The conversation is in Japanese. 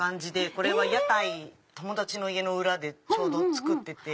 これは屋台友達の家の裏でちょうど作ってて。